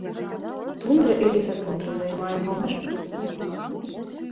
Тундра і лесатундра займае поўнач мацерыка.